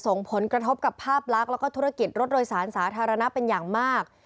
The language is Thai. ส่งผลกระทบกับภาพลักษณ์แล้วก็ธุรกิจรถโดยสารสาธารณะเป็นอย่างมาก